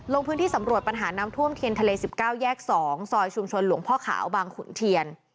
ลงพื้นที่สำรวจปัญหาน้ำท่วมเทียนทะเล๑๙แยก๒ซอยชุมชนหลวงพ่อขาวบางขุนเทียน